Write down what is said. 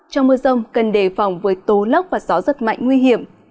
trong mưa rông cần đề phòng với tố lốc và gió rất mạnh nguy hiểm